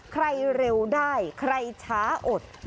เร็วได้ใครช้าอด